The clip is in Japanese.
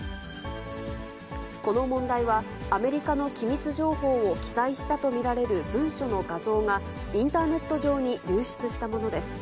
この問題は、アメリカの機密情報を記載したと見られる文書の画像が、インターネット上に流出したものです。